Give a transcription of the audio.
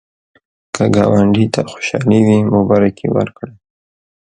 که ګاونډي ته خوشالي وي، مبارکي ورکړه